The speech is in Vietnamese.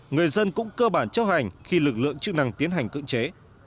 người dân cũng cơ bản chấp hành khi lực lượng chức năng tiến hành cưỡng chế